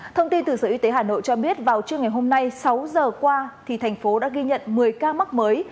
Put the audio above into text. thông tin từ sở y tế hà nội cho biết vào trưa ngày hôm nay sáu giờ qua thành phố đã ghi nhận một mươi ca mắc mới